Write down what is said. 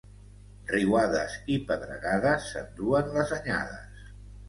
Riuades i pedregades s'enduen les anyades.